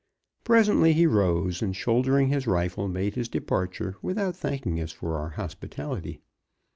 Presently he rose, and shouldering his rifle, made his departure without thanking us for our hospitality.